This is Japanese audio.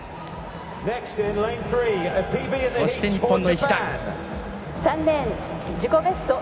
そして日本の石田。